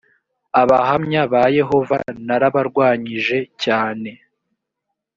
abahamya ba yehova narabarwanyije cyane